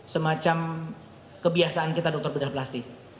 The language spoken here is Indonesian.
semacam kebiasaan kita dokter bedah plastik